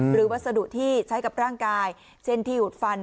วัสดุที่ใช้กับร่างกายเช่นที่หยุดฟัน